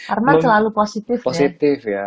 arman selalu positif ya